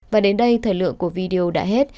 và đến đây thời lượng của video đã hết